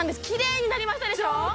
きれいになりましたでしょう？